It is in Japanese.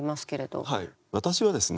はい私はですね